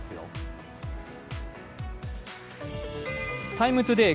「ＴＩＭＥ，ＴＯＤＡＹ」